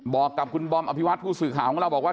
บอกกับคุณบอมอภิวัตผู้สื่อข่าวของเราบอกว่า